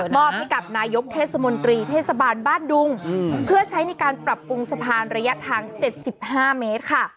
อบให้กับนายกเทศมนตรีเทศบาลบ้านดุงเพื่อใช้ในการปรับปรุงสะพานระยะทาง๗๕เมตรค่ะ